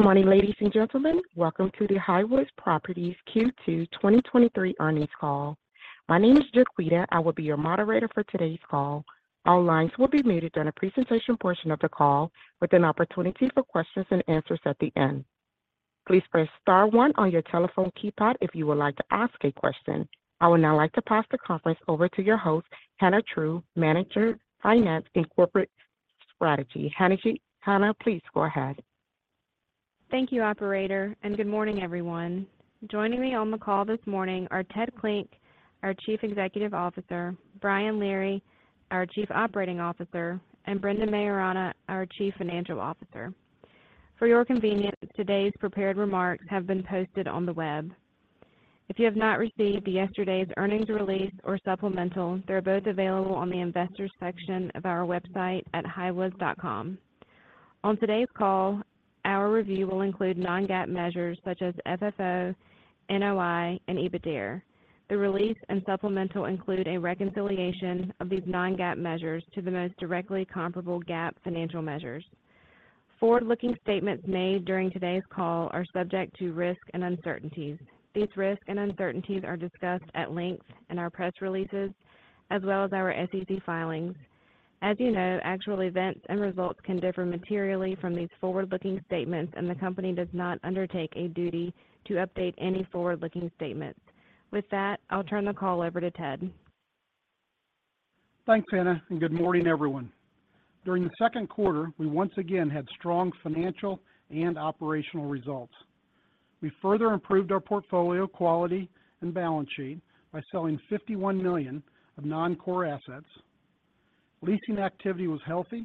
Good morning, ladies and gentlemen. Welcome to the Highwoods Properties Q2 2023 Earnings Call. My name is Jaquita, I will be your moderator for today's call. All lines will be muted during the presentation portion of the call, with an opportunity for questions and answers at the end. Please press star one on your telephone keypad if you would like to ask a question. I would now like to pass the conference over to your host, Hannah True, Manager, Finance and Corporate Strategy. Hannah, please go ahead. Thank you, operator, and good morning, everyone. Joining me on the call this morning are Ted Klinck, our Chief Executive Officer, Brian Leary, our Chief Operating Officer, and Brendan Maiorana, our Chief Financial Officer. For your convenience, today's prepared remarks have been posted on the web. If you have not received yesterday's earnings release or supplemental, they're both available on the Investors section of our website at highwoods.com. On today's call, our review will include non-GAAP measures such as FFO, NOI, and EBITDARE. The release and supplemental include a reconciliation of these non-GAAP measures to the most directly comparable GAAP financial measures. Forward-looking statements made during today's call are subject to risks and uncertainties. These risks and uncertainties are discussed at length in our press releases, as well as our SEC filings. As you know, actual events and results can differ materially from these forward-looking statements. The company does not undertake a duty to update any forward-looking statements. With that, I'll turn the call over to Ted. Thanks, Hannah. Good morning, everyone. During the second quarter, we once again had strong financial and operational results. We further improved our portfolio quality and balance sheet by selling $51 million of non-core assets. Leasing activity was healthy.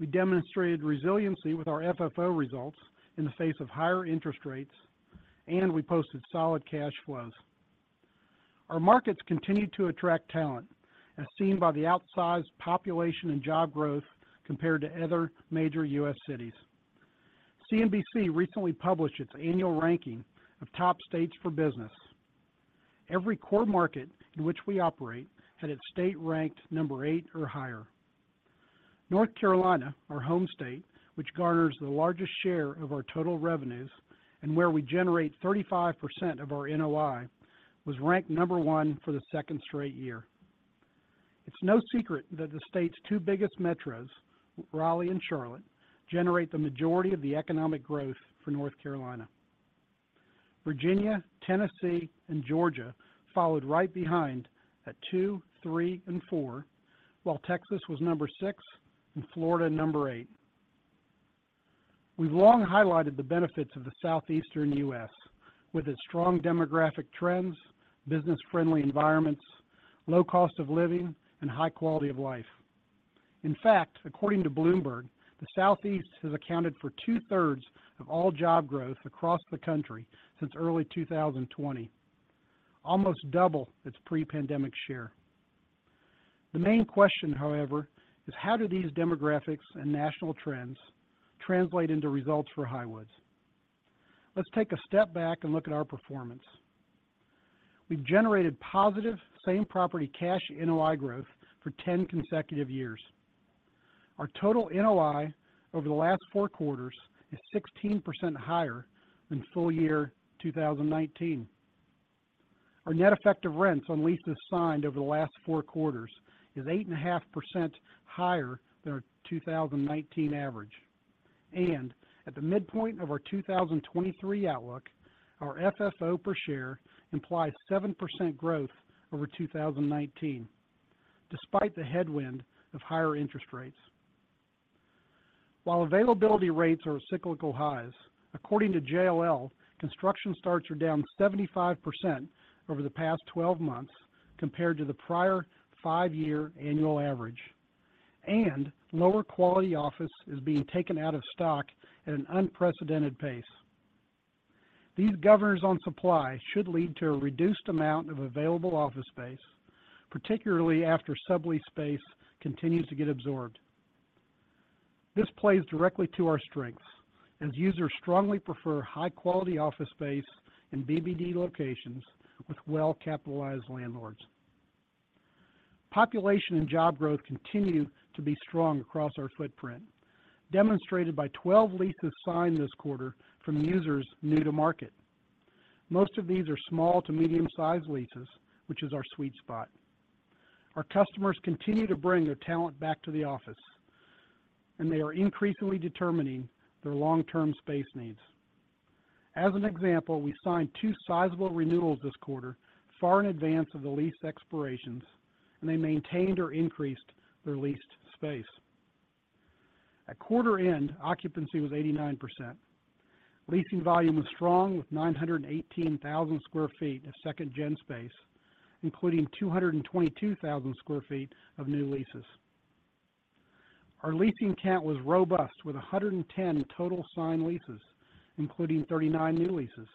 We demonstrated resiliency with our FFO results in the face of higher interest rates, and we posted solid cash flows. Our markets continued to attract talent, as seen by the outsized population and job growth compared to other major U.S. cities. CNBC recently published its annual ranking of top states for business. Every core market in which we operate had its state ranked number 8 or higher. North Carolina, our home state, which garners the largest share of our total revenues and where we generate 35% of our NOI, was ranked number 1 for the second straight year. It's no secret that the state's 2 biggest metros, Raleigh and Charlotte, generate the majority of the economic growth for North Carolina. Virginia, Tennessee, and Georgia followed right behind at 2, 3, and 4, while Texas was number 6 and Florida number 8. We've long highlighted the benefits of the Southeastern U.S., with its strong demographic trends, business-friendly environments, low cost of living, and high quality of life. In fact, according to Bloomberg, the Southeast has accounted for two-thirds of all job growth across the country since early 2020, almost double its pre-pandemic share. The main question, however, is how do these demographics and national trends translate into results for Highwoods? Let's take a step back and look at our performance. We've generated positive same-property cash NOI growth for 10 consecutive years. Our total NOI over the last 4 quarters is 16% higher than full year 2019. Our net effective rents on leases signed over the last 4 quarters is 8.5% higher than our 2019 average. At the midpoint of our 2023 outlook, our FFO per share implies 7% growth over 2019, despite the headwind of higher interest rates. While availability rates are at cyclical highs, according to JLL, construction starts are down 75% over the past 12 months compared to the prior 5-year annual average, and lower quality office is being taken out of stock at an unprecedented pace. These governors on supply should lead to a reduced amount of available office space, particularly after sublease space continues to get absorbed. This plays directly to our strengths, as users strongly prefer high-quality office space in BBD locations with well-capitalized landlords. Population and job growth continue to be strong across our footprint, demonstrated by 12 leases signed this quarter from users new to market. Most of these are small to medium-sized leases, which is our sweet spot. Our customers continue to bring their talent back to the office, and they are increasingly determining their long-term space needs. As an example, we signed 2 sizable renewals this quarter, far in advance of the lease expirations, and they maintained or increased their leased space. At quarter end, occupancy was 89%. Leasing volume was strong, with 918,000 sq ft of second gen space, including 222,000 sq ft of new leases. Our leasing count was robust, with 110 total signed leases, including 39 new leases.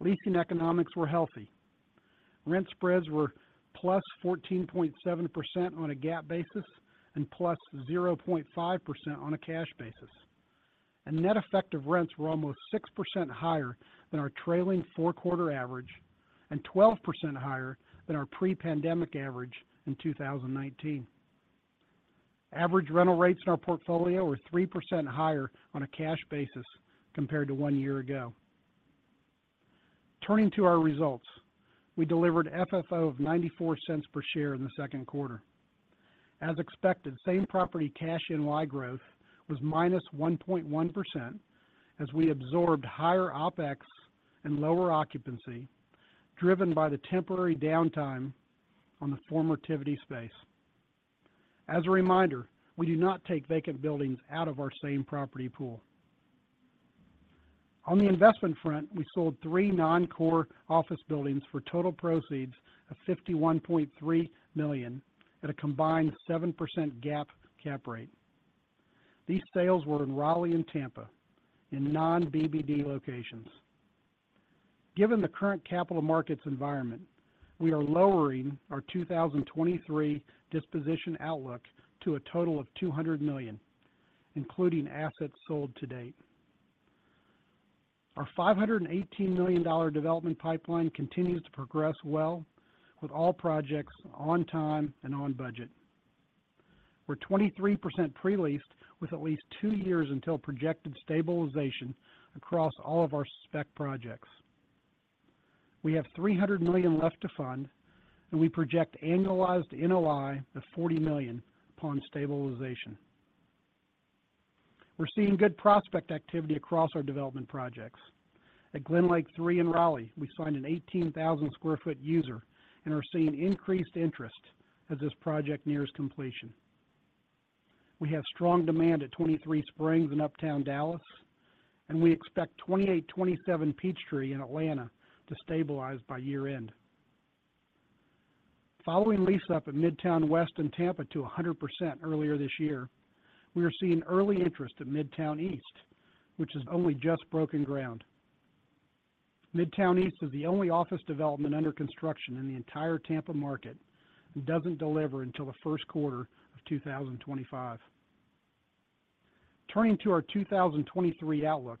Leasing economics were healthy. Rent spreads were +14.7% on a GAAP basis and +0.5% on a cash basis. Net effective rents were almost 6% higher than our trailing 4-quarter average and 12% higher than our pre-pandemic average in 2019. Average rental rates in our portfolio were 3% higher on a cash basis compared to 1 year ago. Turning to our results, we delivered FFO of $0.94 per share in the second quarter. As expected, same-property cash NOI growth was -1.1%, as we absorbed higher OpEx and lower occupancy, driven by the temporary downtime on the former Tivity space. As a reminder, we do not take vacant buildings out of our same-property pool. On the investment front, we sold three non-core office buildings for total proceeds of $51.3 million at a combined 7% GAAP cap rate. These sales were in Raleigh and Tampa, in non-BBD locations. Given the current capital markets environment, we are lowering our 2023 disposition outlook to a total of $200 million, including assets sold to date. Our $518 million development pipeline continues to progress well, with all projects on time and on budget. We're 23% pre-leased, with at least two years until projected stabilization across all of our spec projects. We have $300 million left to fund, and we project annualized NOI of $40 million upon stabilization. We're seeing good prospect activity across our development projects. At Glenlake III in Raleigh, we signed an 18,000 sq ft user and are seeing increased interest as this project nears completion. We have strong demand at 23 Springs in Uptown Dallas, and we expect 2827 Peachtree in Atlanta to stabilize by year-end. Following lease up at Midtown West in Tampa to 100% earlier this year, we are seeing early interest in Midtown East, which has only just broken ground. Midtown East is the only office development under construction in the entire Tampa market and doesn't deliver until the first quarter of 2025. Turning to our 2023 outlook,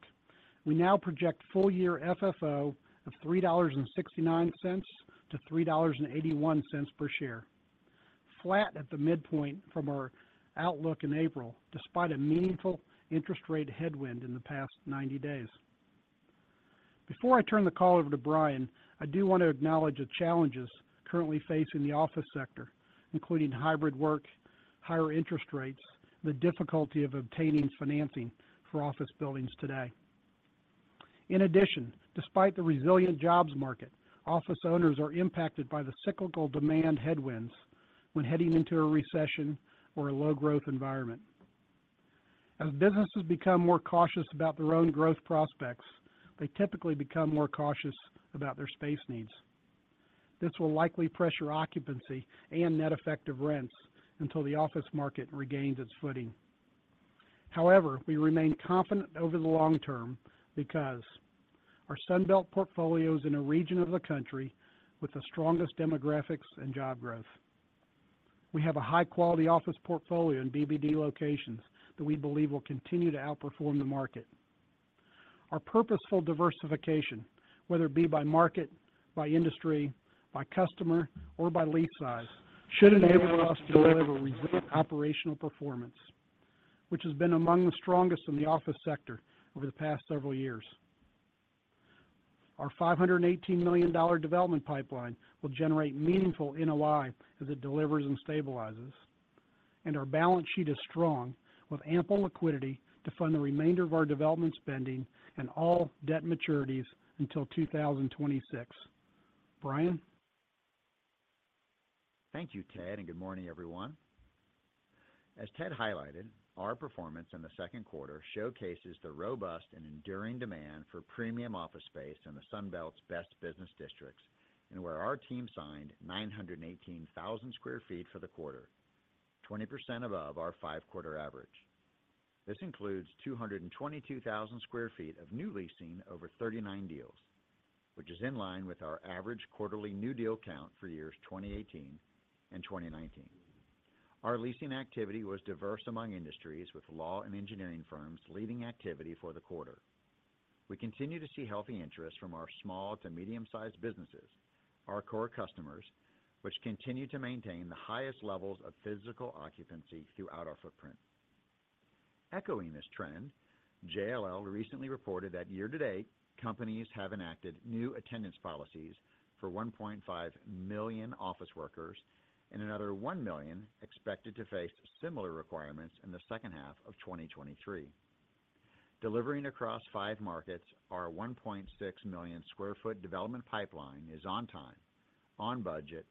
we now project full-year FFO of $3.69 to $3.81 per share, flat at the midpoint from our outlook in April, despite a meaningful interest rate headwind in the past 90 days. Before I turn the call over to Brian, I do want to acknowledge the challenges currently facing the office sector, including hybrid work, higher interest rates, and the difficulty of obtaining financing for office buildings today. In addition, despite the resilient jobs market, office owners are impacted by the cyclical demand headwinds when heading into a recession or a low-growth environment. As businesses become more cautious about their own growth prospects, they typically become more cautious about their space needs. This will likely pressure occupancy and net effective rents until the office market regains its footing. However, we remain confident over the long term because our Sunbelt portfolio is in a region of the country with the strongest demographics and job growth. We have a high-quality office portfolio in BBD locations that we believe will continue to outperform the market. Our purposeful diversification, whether it be by market, by industry, by customer, or by lease size, should enable us to deliver resilient operational performance, which has been among the strongest in the office sector over the past several years. Our $518 million development pipeline will generate meaningful NOI as it delivers and stabilizes, and our balance sheet is strong, with ample liquidity to fund the remainder of our development spending and all debt maturities until 2026. Brian? Thank you, Ted, and good morning, everyone. As Ted highlighted, our performance in the second quarter showcases the robust and enduring demand for premium office space in the Sunbelt's best business districts, and where our team signed 918,000 sq ft for the quarter, 20% above our 5-quarter average. This includes 222,000 sq ft of new leasing over 39 deals, which is in line with our average quarterly new deal count for years 2018 and 2019. Our leasing activity was diverse among industries, with law and engineering firms leading activity for the quarter. We continue to see healthy interest from our small to medium-sized businesses, our core customers, which continue to maintain the highest levels of physical occupancy throughout our footprint. Echoing this trend, JLL recently reported that year-to-date, companies have enacted new attendance policies for 1.5 million office workers and another 1 million expected to face similar requirements in the second half of 2023. Delivering across 5 markets, our 1.6 million square foot development pipeline is on time, on budget,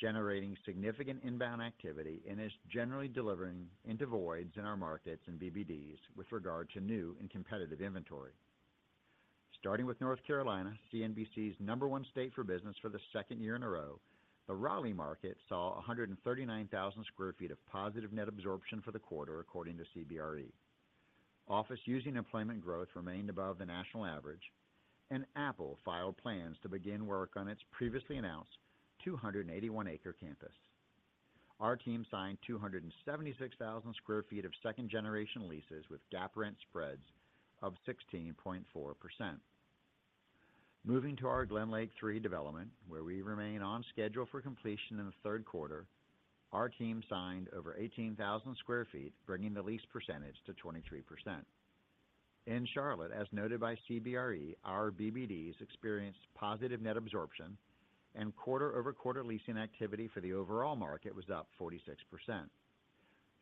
generating significant inbound activity, and is generally delivering into voids in our markets and BBDs with regard to new and competitive inventory. Starting with North Carolina, CNBC's number 1 state for business for the second year in a row, the Raleigh market saw 139,000 square feet of positive net absorption for the quarter, according to CBRE. Office-using employment growth remained above the national average. Apple filed plans to begin work on its previously announced 281-acre campus. Our team signed 276,000 sq ft of second-generation leases, with GAAP rent spreads of 16.4%. Moving to our Glenlake III development, where we remain on schedule for completion in the third quarter, our team signed over 18,000 sq ft, bringing the lease percentage to 23%. In Charlotte, as noted by CBRE, our BBDs experienced positive net absorption and quarter-over-quarter leasing activity for the overall market was up 46%.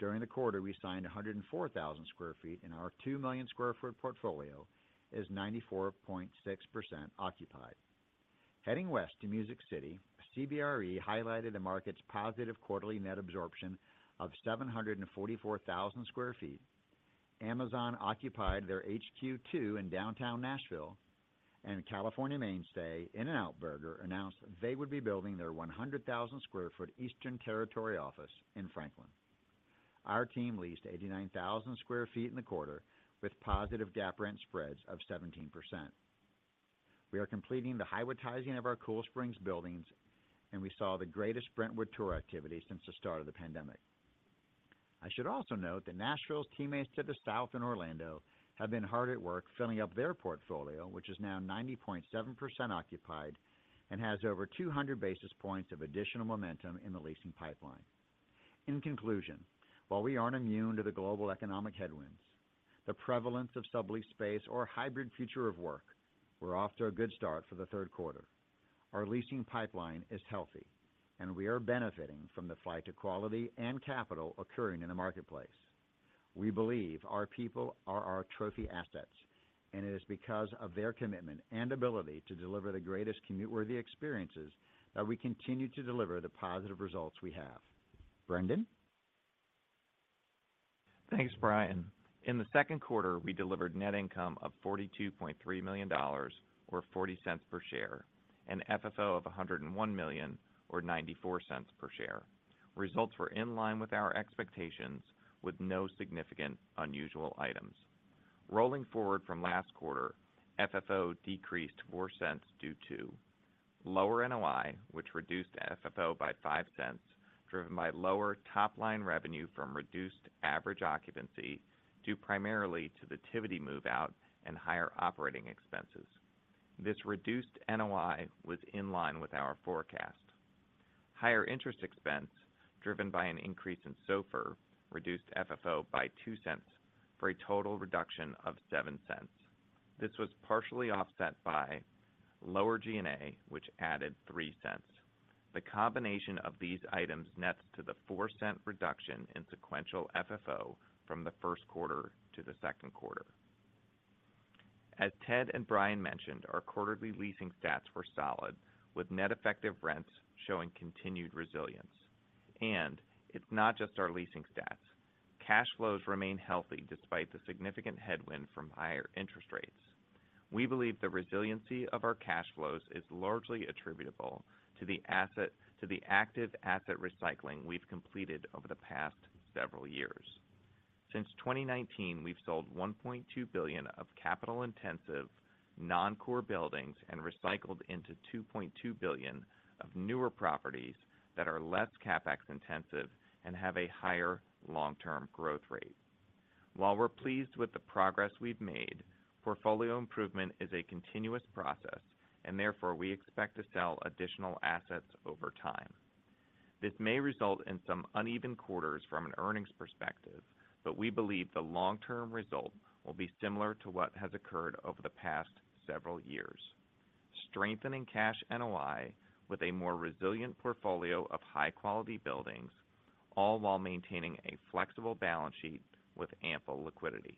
During the quarter, we signed 104,000 sq ft, and our 2 million sq ft portfolio is 94.6% occupied. Heading west to Music City, CBRE highlighted the market's positive quarterly net absorption of 744,000 sq ft. Amazon occupied their HQ two in downtown Nashville. California mainstay, In-N-Out Burger, announced they would be building their 100,000 sq ft eastern territory office in Franklin. Our team leased 89,000 sq ft in the quarter, with positive GAAP rent spreads of 17%. We are completing the Highwoodtizing of our Cool Springs buildings. We saw the greatest Brentwood tour activity since the start of the pandemic. I should also note that Nashville's teammates to the south in Orlando have been hard at work filling up their portfolio, which is now 90.7% occupied and has over 200 basis points of additional momentum in the leasing pipeline. In conclusion, while we aren't immune to the global economic headwinds, the prevalence of sublease space or hybrid future of work, we're off to a good start for the third quarter. Our leasing pipeline is healthy. We are benefiting from the flight to quality and capital occurring in the marketplace. We believe our people are our trophy assets. It is because of their commitment and ability to deliver the greatest commute-worthy experiences that we continue to deliver the positive results we have. Brendan? Thanks, Brian. In the second quarter, we delivered net income of $42.3 million or $0.40 per share, and FFO of $101 million or $0.94 per share. Results were in line with our expectations, with no significant unusual items. Rolling forward from last quarter, FFO decreased $0.04 due to lower NOI, which reduced FFO by $0.05, driven by lower top-line revenue from reduced average occupancy, due primarily to the Tivity move-out and higher operating expenses. This reduced NOI was in line with our forecast. Higher interest expense, driven by an increase in SOFR, reduced FFO by $0.02 for a total reduction of $0.07. This was partially offset by lower G&A, which added $0.03. The combination of these items nets to the $0.04 reduction in sequential FFO from the first quarter to the second quarter. As Ted and Brian mentioned, our quarterly leasing stats were solid, with net effective rents showing continued resilience. It's not just our leasing stats. Cash flows remain healthy despite the significant headwind from higher interest rates. We believe the resiliency of our cash flows is largely attributable to the active asset recycling we've completed over the past several years. Since 2019, we've sold $1.2 billion of capital-intensive, non-core buildings and recycled into $2.2 billion of newer properties that are less CapEx intensive and have a higher long-term growth rate. While we're pleased with the progress we've made, portfolio improvement is a continuous process, therefore, we expect to sell additional assets over time. This may result in some uneven quarters from an earnings perspective. We believe the long-term result will be similar to what has occurred over the past several years. Strengthening cash NOI, with a more resilient portfolio of high-quality buildings, all while maintaining a flexible balance sheet with ample liquidity.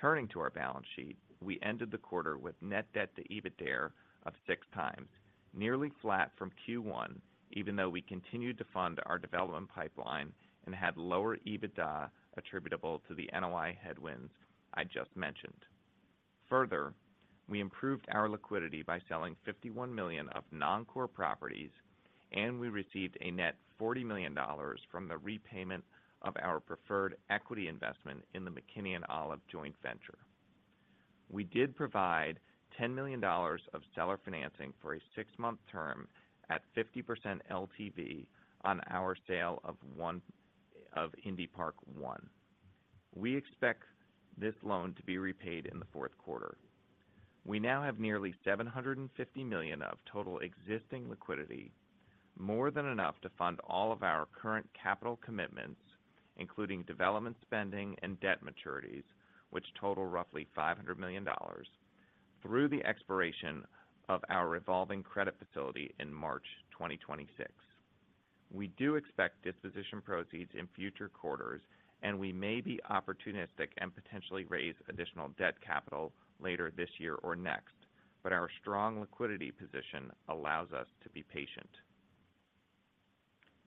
Turning to our balance sheet, we ended the quarter with net debt to EBITDA of 6 times, nearly flat from Q1, even though we continued to fund our development pipeline and had lower EBITDA attributable to the NOI headwinds I just mentioned. Further, we improved our liquidity by selling $51 million of non-core properties, and we received a net $40 million from the repayment of our preferred equity investment in the McKinney and Olive joint venture. We did provide $10 million of seller financing for a six-month term at 50% LTV on our sale of Indy Park One. We expect this loan to be repaid in the fourth quarter. We now have nearly $750 million of total existing liquidity, more than enough to fund all of our current capital commitments, including development, spending, and debt maturities, which total roughly $500 million, through the expiration of our revolving credit facility in March 2026. We do expect disposition proceeds in future quarters, and we may be opportunistic and potentially raise additional debt capital later this year or next, but our strong liquidity position allows us to be patient.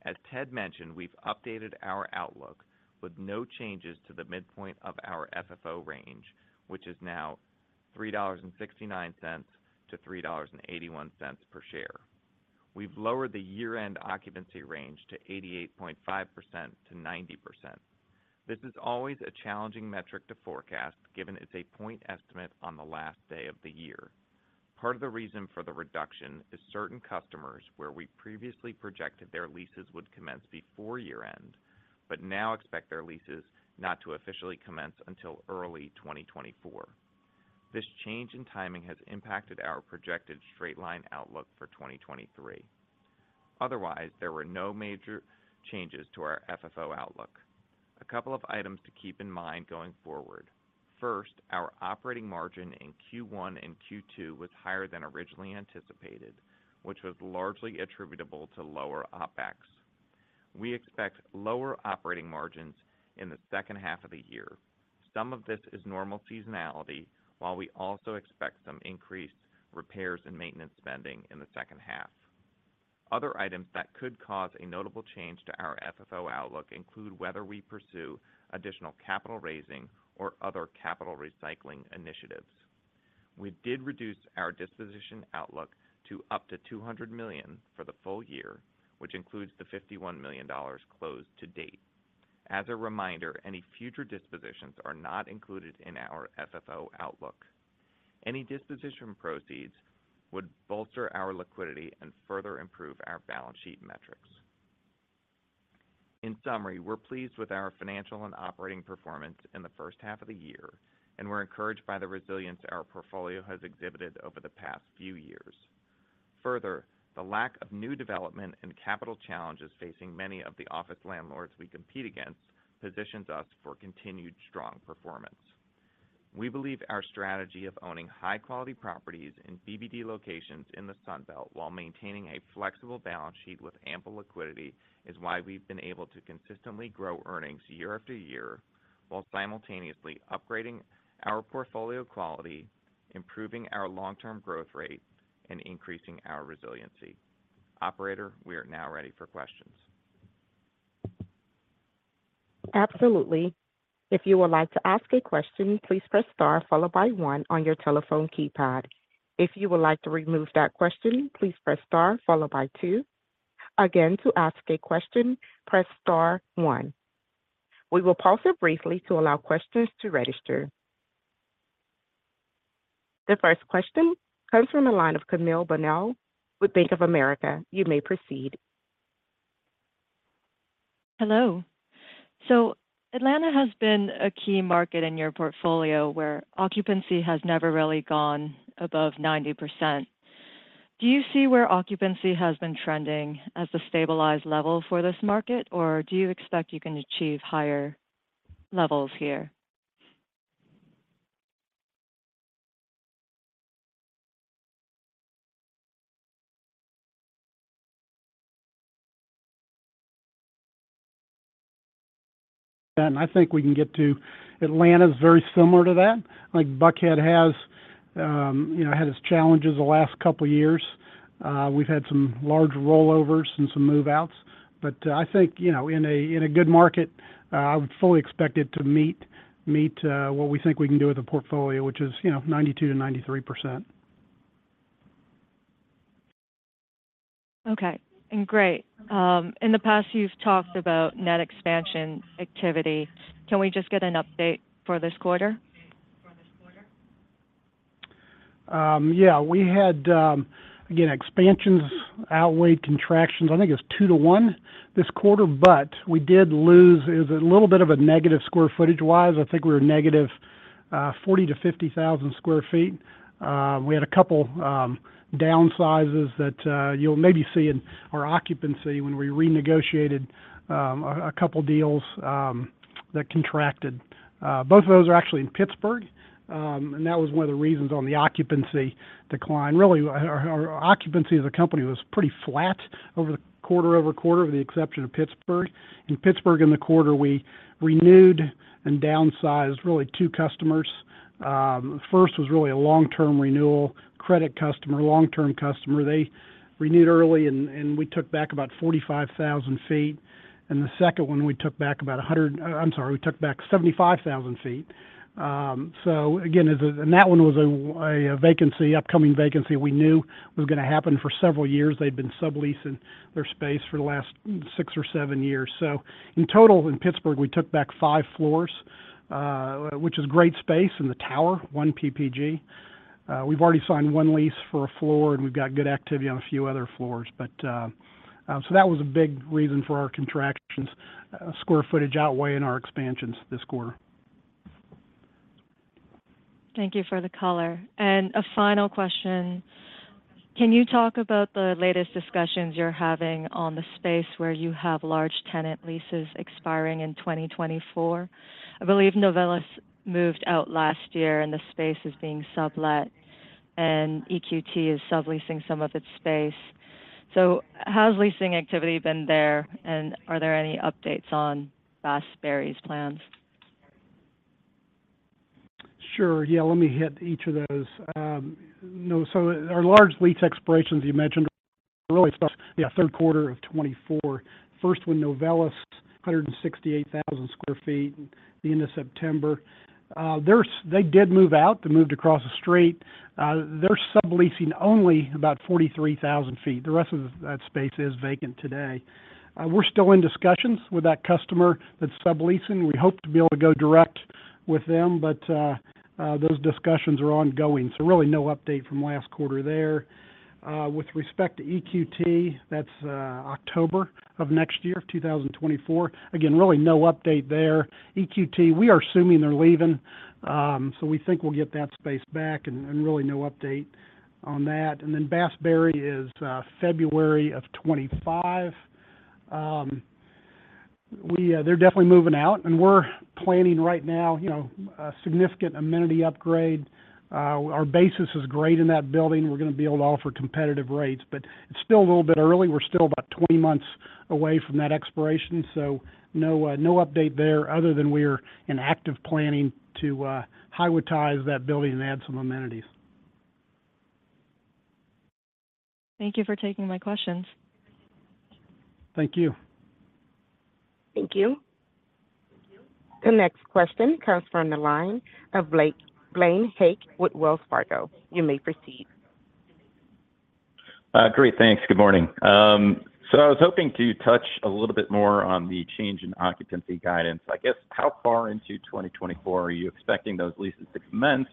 As Ted mentioned, we've updated our outlook with no changes to the midpoint of our FFO range, which is now $3.69-$3.81 per share. We've lowered the year-end occupancy range to 88.5%-90%. This is always a challenging metric to forecast, given it's a point estimate on the last day of the year. Part of the reason for the reduction is certain customers where we previously projected their leases would commence before year-end, but now expect their leases not to officially commence until early 2024. This change in timing has impacted our projected straight-line outlook for 2023. Otherwise, there were no major changes to our FFO outlook. A couple of items to keep in mind going forward: First, our operating margin in Q1 and Q2 was higher than originally anticipated, which was largely attributable to lower OpEx. We expect lower operating margins in the second half of the year. Some of this is normal seasonality, while we also expect some increased repairs and maintenance spending in the second half. Other items that could cause a notable change to our FFO outlook include whether we pursue additional capital raising or other capital recycling initiatives. We did reduce our disposition outlook to up to $200 million for the full year, which includes the $51 million closed to date. As a reminder, any future dispositions are not included in our FFO outlook. Any disposition proceeds would bolster our liquidity and further improve our balance sheet metrics. In summary, we're pleased with our financial and operating performance in the first half of the year, and we're encouraged by the resilience our portfolio has exhibited over the past few years. Further, the lack of new development and capital challenges facing many of the office landlords we compete against positions us for continued strong performance. We believe our strategy of owning high-quality properties in BBD locations in the Sun Belt while maintaining a flexible balance sheet with ample liquidity, is why we've been able to consistently grow earnings year after year while simultaneously upgrading our portfolio quality, improving our long-term growth rate, and increasing our resiliency. Operator, we are now ready for questions. Absolutely. If you would like to ask a question, please press star followed by one on your telephone keypad. If you would like to remove that question, please press star followed by two. Again, to ask a question, press star one. We will pause here briefly to allow questions to register. The first question comes from the line of Camille Bonnel with Bank of America. You may proceed. Hello. Atlanta has been a key market in your portfolio where occupancy has never really gone above 90%. Do you see where occupancy has been trending as a stabilized level for this market, or do you expect you can achieve higher levels here? I think we can get to... Atlanta is very similar to that. Like, Buckhead has, you know, had its challenges the last couple of years. We've had some large rollovers and some move-outs, but I think, you know, in a, in a good market, I would fully expect it to meet what we think we can do with the portfolio, which is, you know, 92%-93%. Okay, great. In the past, you've talked about net expansion activity. Can we just get an update for this quarter? Yeah, we had again, expansions outweighed contractions. I think it was 2 to 1 this quarter, but we did lose. It was a little bit of a negative square footage-wise. I think we were negative 40,000-50,000 sq ft. We had a couple downsizes that you'll maybe see in our occupancy when we renegotiated a couple deals that contracted. Both of those are actually in Pittsburgh, and that was one of the reasons on the occupancy decline. Really, our occupancy as a company was pretty flat quarter-over-quarter, with the exception of Pittsburgh. In Pittsburgh, in the quarter, we renewed and downsized, really 2 customers. First was really a long-term renewal credit customer, long-term customer. They renewed early and we took back about 45,000 ft, and the second one, we took back about 75,000 ft. again, and that one was a vacancy, upcoming vacancy we knew was going to happen for several years. They've been subleasing their space for the last six or seven years. in total, in Pittsburgh, we took back five floors, which is great space in the tower, one PPG. we've already signed one lease for a floor, and we've got good activity on a few other floors. that was a big reason for our contractions. Square footage outweighing our expansions this quarter. Thank you for the color. A final question: Can you talk about the latest discussions you're having on the space where you have large tenant leases expiring in 2024? I believe Novelis moved out last year, and the space is being sublet, and EQT is subleasing some of its space. How's leasing activity been there, and are there any updates on Bass Berry's plans? Sure. Yeah, let me hit each of those. Our large lease expirations you mentioned, really, yeah, Q3 2024. First, when Novelis, 168,000 sq ft, the end of September. They did move out. They moved across the street. They're subleasing only about 43,000 feet. The rest of that space is vacant today. We're still in discussions with that customer that's subleasing. We hope to be able to go direct with them, those discussions are ongoing, really no update from last quarter there. With respect to EQT, that's October 2024. Again, really no update there. EQT, we are assuming they're leaving, we think we'll get that space back, and really no update on that. Bass Berry is February 2025. They're definitely moving out. We're planning right now, you know, a significant amenity upgrade. Our basis is great in that building. We're gonna be able to offer competitive rates. It's still a little bit early. We're still about 20 months away from that expiration. No, no update there, other than we're in active planning to Highwoodtize that building and add some amenities. Thank you for taking my questions. Thank you. Thank you. The next question comes from the line of Blaine Heck with Wells Fargo. You may proceed. Great, thanks. Good morning. I was hoping to touch a little bit more on the change in occupancy guidance. I guess, how far into 2024 are you expecting those leases to commence?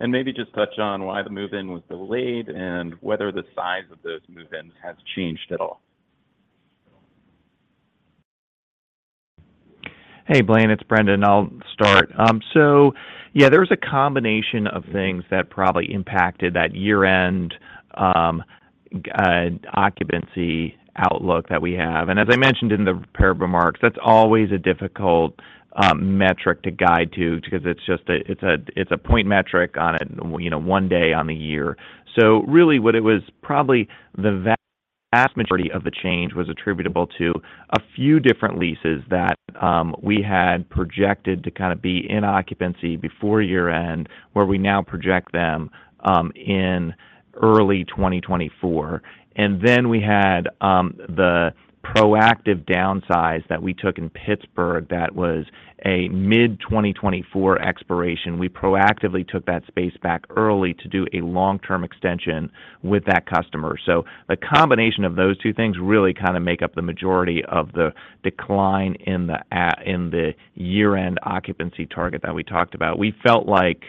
Maybe just touch on why the move-in was delayed, and whether the size of those move-ins has changed at all. Hey, Blaine, it's Brendan. I'll start. Yeah, there was a combination of things that probably impacted that year-end occupancy outlook that we have. As I mentioned in the prepared remarks, that's always a difficult metric to guide to because it's just a point metric on a, you know, one day on the year. Really, what it was probably the vast majority of the change was attributable to a few different leases that we had projected to kinda be in occupancy before year-end, where we now project them in early 2024. Then we had the proactive downsize that we took in Pittsburgh, that was a mid-2024 expiration. We proactively took that space back early to do a long-term extension with that customer. The combination of those two things really kind of make up the majority of the decline in the year-end occupancy target that we talked about. We felt like,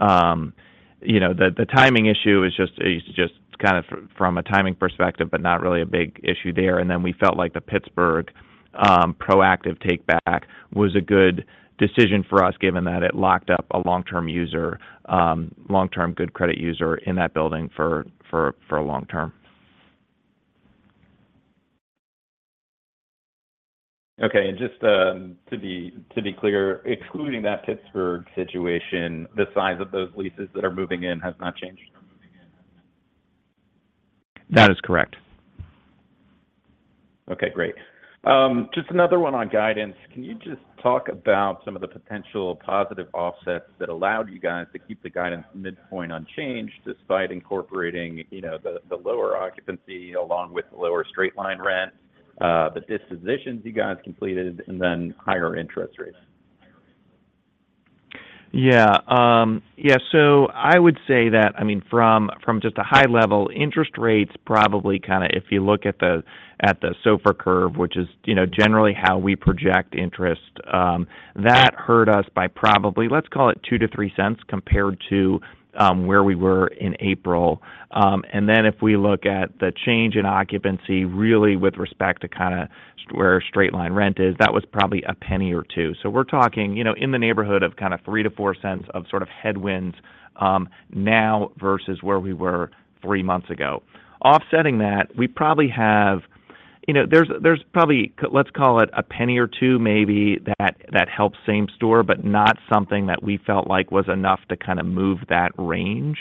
you know, the timing issue is just kind of from a timing perspective, but not really a big issue there. Then we felt like the Pittsburgh proactive takeback was a good decision for us, given that it locked up a long-term user, long-term good credit user in that building for a long term. Okay. just, to be clear, excluding that Pittsburgh situation, the size of those leases that are moving in has not changed? That is correct. Okay, great. Just another one on guidance. Can you just talk about some of the potential positive offsets that allowed you guys to keep the guidance midpoint unchanged, despite incorporating, you know, the lower occupancy, along with the lower straight line rent, the dispositions you guys completed, and then higher interest rates? Yeah, I would say that, I mean, from just a high level, interest rates probably kinda, if you look at the SOFR curve, which is, you know, generally how we project interest, that hurt us by probably, let's call it $0.02-$0.03, compared to where we were in April. If we look at the change in occupancy, really with respect to kinda where straight line rent is, that was probably $0.01-$0.02. We're talking, you know, in the neighborhood of kinda $0.03-$0.04 of sort of headwinds, now versus where we were three months ago. Offsetting that, we probably have... You know, there's probably, let's call it $0.01 or $0.02 maybe that helps same store, but not something that we felt like was enough to kinda move that range.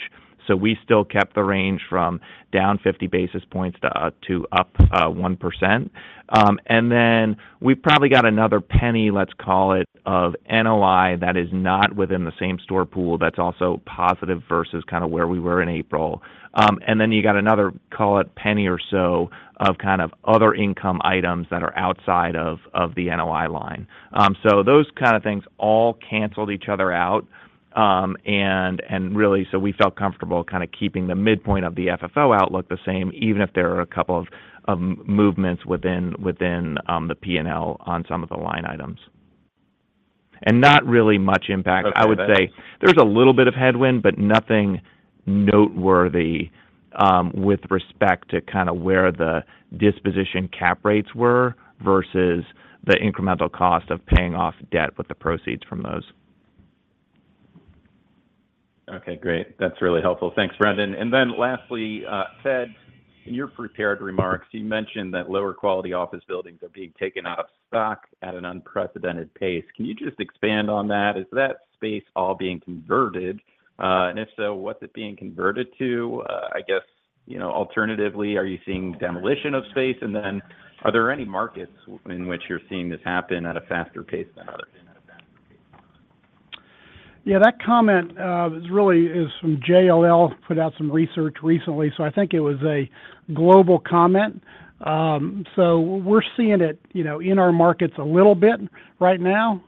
We still kept the range from down 50 basis points to up 1%. We've probably got another $0.01, let's call it, of NOI that is not within the same store pool that's also positive versus kinda where we were in April. You got another, call it, $0.01 or so of kind of other income items that are outside of the NOI line. Those kind of things all canceled each other out, and really, so we felt comfortable kinda keeping the midpoint of the FFO outlook the same, even if there are a couple of movements within the P&L on some of the line items. Not really much impact... Okay. I would say, there's a little bit of headwind, but nothing noteworthy, with respect to kinda where the disposition cap rates were versus the incremental cost of paying off debt with the proceeds from those. Okay, great. That's really helpful. Thanks, Brendan. Lastly, Ted, in your prepared remarks, you mentioned that lower quality office buildings are being taken out of stock at an unprecedented pace. Can you just expand on that? Is that space all being converted? And if so, what's it being converted to? I guess, you know, alternatively, are you seeing demolition of space? Are there any markets in which you're seeing this happen at a faster pace than others? Yeah, that comment is really from JLL, put out some research recently. I think it was a global comment. We're seeing it, you know, in our markets a little bit right now,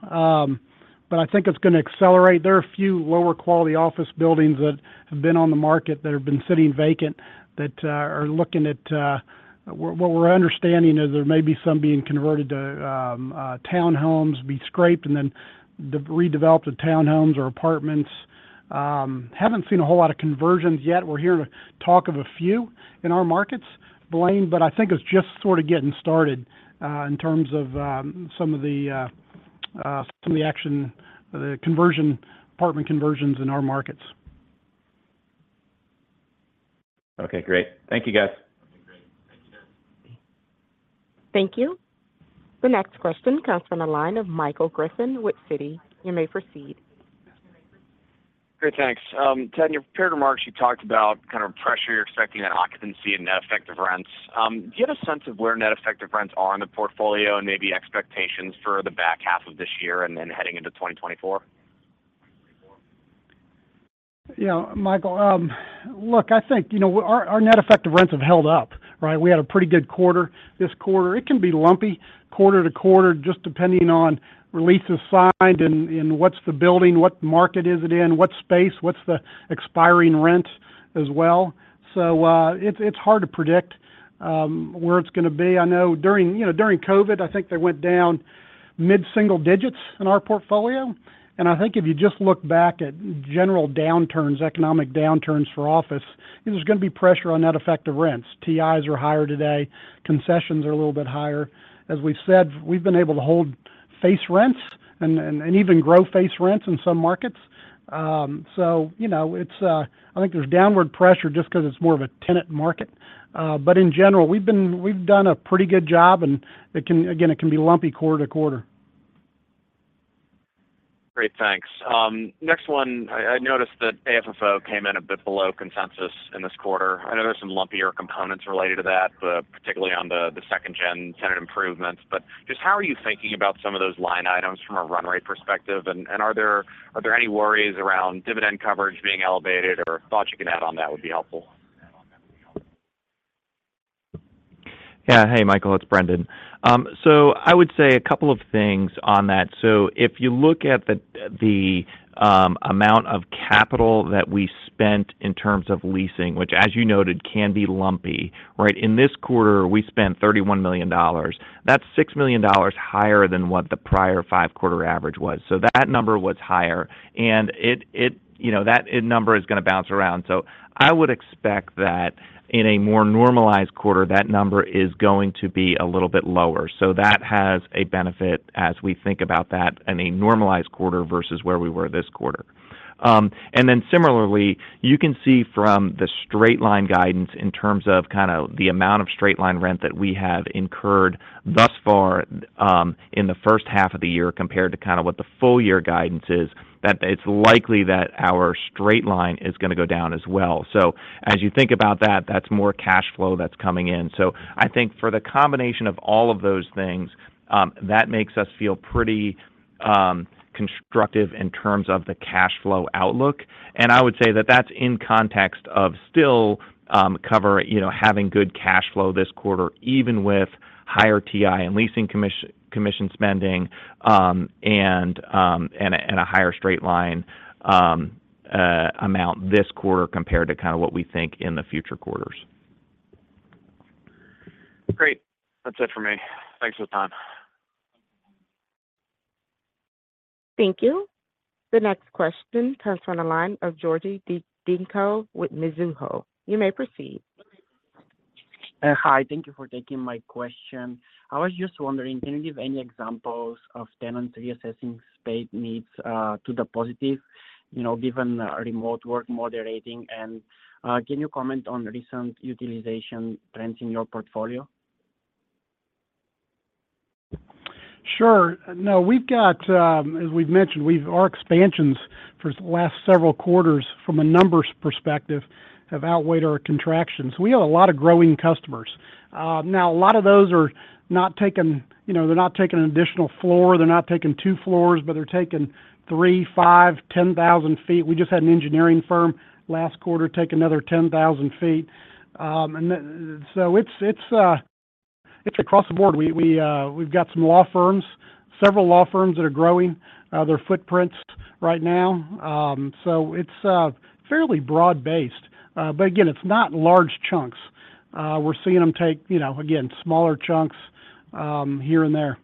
but I think it's gonna accelerate. There are a few lower quality office buildings that have been on the market, that have been sitting vacant, that are looking at. What we're understanding is there may be some being converted to townhomes, be scraped, and then redeveloped to townhomes or apartments. Haven't seen a whole lot of conversions yet. We're hearing talk of a few in our markets, Blaine, but I think it's just sort of getting started in terms of some of the action, the apartment conversions in our markets. Okay, great. Thank you, guys. Thank you. The next question comes from the line of Michael Griffin with Citi. You may proceed. Great, thanks. Ted, in your prepared remarks, you talked about kind of pressure you're expecting on occupancy and net effective rents. Do you have a sense of where net effective rents are in the portfolio and maybe expectations for the back half of this year and then heading into 2024? Yeah, Michael, look, I think, you know, our net effective rents have held up, right? We had a pretty good quarter this quarter. It can be lumpy quarter to quarter, just depending on releases signed and what's the building, what market is it in, what space, what's the expiring rent as well. So, it's hard to predict where it's gonna be. I know during, you know, during COVID, I think they went down mid-single digits in our portfolio. I think if you just look back at general downturns, economic downturns for office, there's gonna be pressure on net effective rents. TIs are higher today, concessions are a little bit higher. As we've said, we've been able to hold face rents and even grow face rents in some markets. So, you know, it's... I think there's downward pressure just 'cause it's more of a tenant market. In general, we've done a pretty good job, and it can, again, it can be lumpy quarter to quarter. Great, thanks. Next one. I noticed that AFFO came in a bit below consensus in this quarter. I know there's some lumpier components related to that, particularly on the second-gen tenant improvements. Just how are you thinking about some of those line items from a run rate perspective? Are there any worries around dividend coverage being elevated, or thoughts you can add on that would be helpful. Yeah. Hey, Michael, it's Brendan. I would say a couple of things on that. If you look at the amount of capital that we spent in terms of leasing, which, as you noted, can be lumpy, right? In this quarter, we spent $31 million. That's $6 million higher than what the prior 5-quarter average was. That number was higher, and it you know, that number is gonna bounce around. I would expect that in a more normalized quarter, that number is going to be a little bit lower. That has a benefit as we think about that in a normalized quarter versus where we were this quarter. Similarly, you can see from the straight line guidance in terms of kinda the amount of straight line rent that we have incurred thus far, in the first half of the year, compared to kind of what the full year guidance is, that it's likely that our straight line is gonna go down as well. As you think about that's more cash flow that's coming in. I think for the combination of all of those things, that makes us feel pretty constructive in terms of the cash flow outlook. I would say that that's in context of still, you know, having good cash flow this quarter, even with higher TI and leasing commission spending, and a higher straight line amount this quarter compared to kind of what we think in the future quarters. Great. That's it for me. Thanks for the time. Thank you. The next question comes from the line of Georgi Dinkoz with Mizuho. You may proceed. Hi, thank you for taking my question. I was just wondering, can you give any examples of tenants reassessing space needs, to the positive, you know, given remote work moderating? Can you comment on recent utilization trends in your portfolio? Sure. No, we've got, as we've mentioned, our expansions for the last several quarters, from a numbers perspective, have outweighed our contractions. We have a lot of growing customers. Now, a lot of those are not taking, you know, they're not taking an additional floor, they're not taking two floors, but they're taking three, five, 10,000 ft. We just had an engineering firm last quarter take another 10,000 feet. It's across the board. We've got some law firms, several law firms that are growing their footprints right now. It's fairly broad-based, again, it's not large chunks. We're seeing them take, you know, again, smaller chunks, here and there.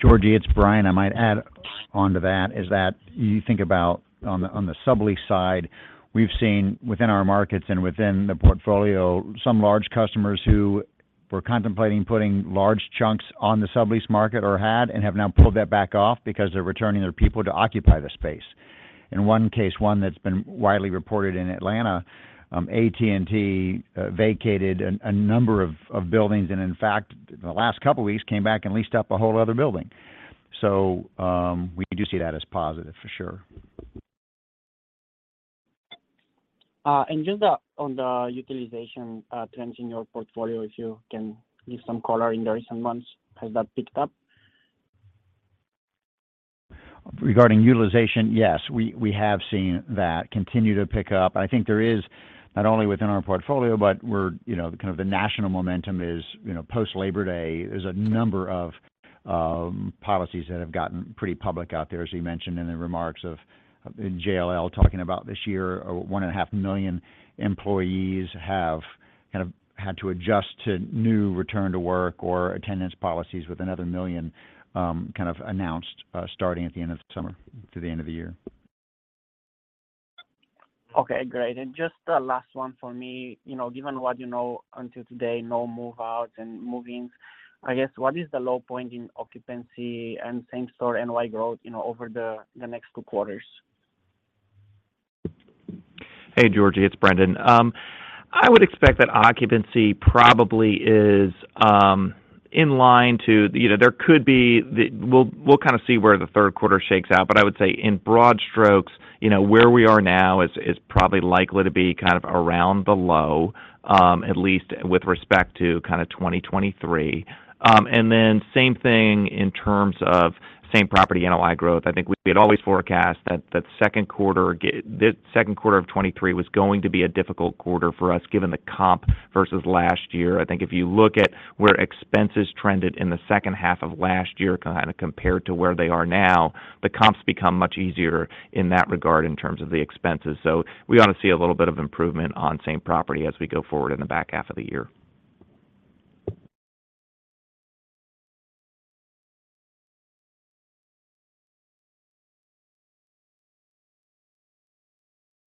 Georgie, it's Brian. I might add onto that, is that you think about on the, on the sublease side, we've seen within our markets and within the portfolio, some large customers who were contemplating putting large chunks on the sublease market or had and have now pulled that back off because they're returning their people to occupy the space. In one case, one that's been widely reported in Atlanta, AT&T vacated a number of buildings and in fact, the last couple weeks, came back and leased up a whole other building. We do see that as positive for sure. Just on the utilization trends in your portfolio, if you can give some color in the recent months, has that picked up? Regarding utilization, yes, we have seen that continue to pick up. I think there is, not only within our portfolio, but we're, you know, kind of the national momentum is, you know, post Labor Day, there's a number of policies that have gotten pretty public out there, as you mentioned in the remarks of JLL, talking about this year, 1.5 million employees have.... kind of had to adjust to new return to work or attendance policies with another 1 million, kind of announced, starting at the end of the summer to the end of the year. Okay, great. Just a last one for me. You know, given what you know until today, no move out and move ins, I guess what is the low point in occupancy and same store NOI growth, you know, over the next 2 quarters? Hey, Georgie, it's Brendan. I would expect that occupancy probably is in line. You know, there could be we'll kind of see where the third quarter shakes out, but I would say in broad strokes, you know, where we are now is probably likely to be kind of around the low, at least with respect to kind of 2023. Same thing in terms of same property NOI growth. I think we had always forecast that the second quarter of 2023 was going to be a difficult quarter for us, given the comp versus last year. I think if you look at where expenses trended in the second half of last year, kind of compared to where they are now, the comps become much easier in that regard in terms of the expenses. We ought to see a little bit of improvement on same property as we go forward in the back half of the year.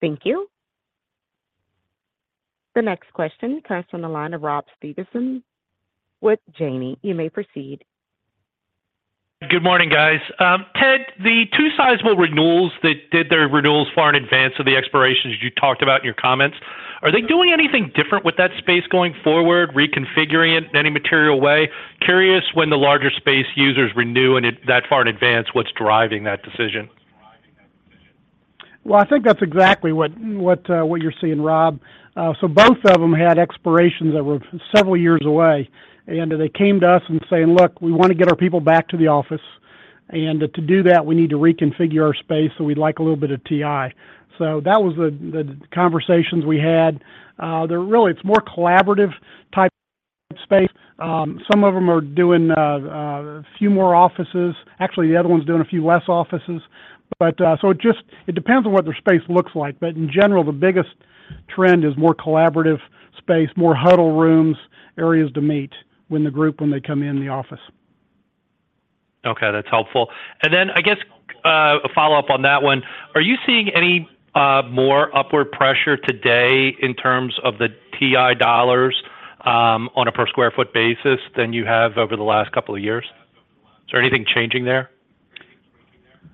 Thank you. The next question comes from the line of Rob Stevenson with Janney. You may proceed. Good morning, guys. Ted, the two sizable renewals that did their renewals far in advance of the expirations you talked about in your comments, are they doing anything different with that space going forward, reconfiguring it in any material way? Curious when the larger space users renew, and that far in advance, what's driving that decision? I think that's exactly what you're seeing, Rob. Both of them had expirations that were several years away, and they came to us and saying: "Look, we want to get our people back to the office, and to do that, we need to reconfigure our space, so we'd like a little bit of TI." That was the conversations we had. They're really, it's more collaborative type space. Some of them are doing a few more offices. Actually, the other one's doing a few less offices. It just, it depends on what their space looks like. In general, the biggest trend is more collaborative space, more huddle rooms, areas to meet when the group, when they come in the office. Okay, that's helpful. I guess, a follow-up on that one. Are you seeing any more upward pressure today in terms of the TI dollars on a per square foot basis than you have over the last couple of years? Is there anything changing there?